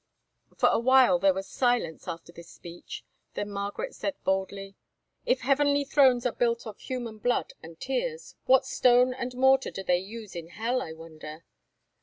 For a while there was silence after this speech, then Margaret said boldly: "If heavenly thrones are built of human blood and tears, what stone and mortar do they use in hell, I wonder?"